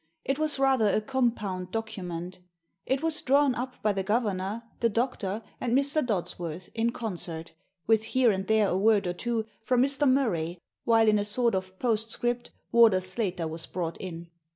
It was rather a compound document It was drawn up by the governor, the doctor, and Mr. Dodsworth in concert, with here and there a word or two from Mr. Murray, while in a sort of postscript Warder Slater was brought in.